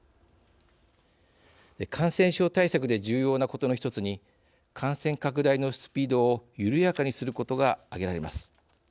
感染症対策で重要なことの一つに感染拡大のスピードを緩やかにすることが挙げられます。